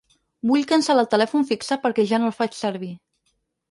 Vull cancel·lar el telèfon fixe perquè ja no el faig servir.